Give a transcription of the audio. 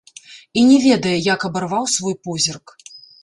І не ведае, як абарваў свой позірк.